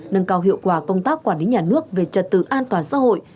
nâng cao hiệu quả công tác quản lý nhà nước về trật tự an toàn xã hội